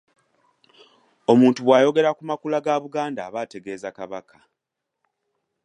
Omuntu bw’ayogera ku makula ga Buganda aba ategeeza Kabaka.